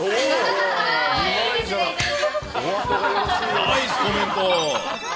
ナイスコメント。